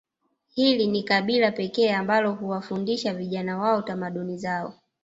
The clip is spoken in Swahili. Hili ni kabila pekee ambalo huwafundisha vijana wao tamaduni zao